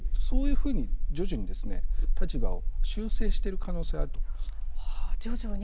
そういうふうに徐々に立場を修正している可能性はあると思います。